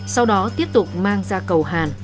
sau đó tiếp tục mang ra cầu hàn